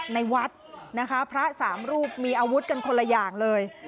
ในวัดนะคะพระสามรูปมีอาวุธกันคนละอย่างเลย